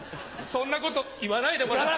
そんなこと言わないでもらって。